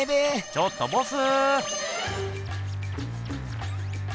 ちょっとボス。